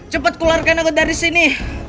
cepat keluarkan aku dari sini